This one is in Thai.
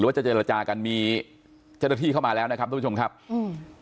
ว่าจะเจรจากันมีเจ้าหน้าที่เข้ามาแล้วนะครับทุกผู้ชมครับอืม